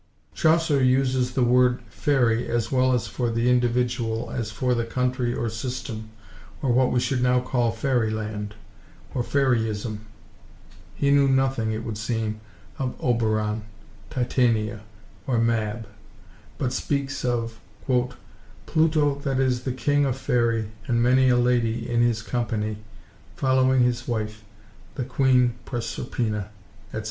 Chaucer uses the word faërie as well for the individual as for the country or system, or what we should now call fairy–land, or faryism. He knew nothing, it would seem, of Oberon, Titania, or Mab, but speaks of— "Pluto, that is the King of Faerie, And many a ladie in his compagnie, Folwing his wif, the quene Proserpina, etc."